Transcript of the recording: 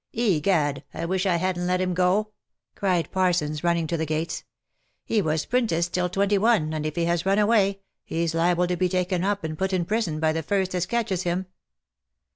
" Egad, I wish I hadn't let him go !" cried Parsons, running to the gates. " He was 'printiced till twenty one, and if he has run away, he's liable to be taken up and put in prison, by the first as catches him."